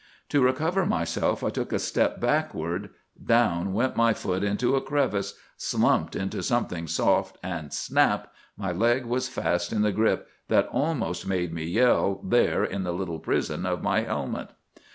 To recover myself I took a step backward; down went my foot into a crevice, "slumped" into something soft, and snap! my leg was fast in a grip that almost made me yell there in the little prison of my helmet.